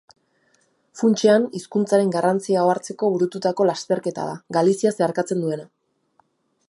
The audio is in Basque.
Funtsean, hizkuntzaren garrantzia ohartzeko burututako lasterketa da, Galizia zeharkatzen duena.